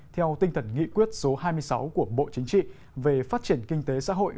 theo tinh thần nghị quyết số hai mươi sáu của bộ chính trị về phát triển kinh tế xã hội